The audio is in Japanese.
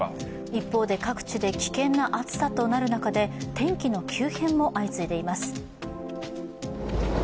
一方で、各地で危険な暑さとなる中で、天気の急変も相次いでいます。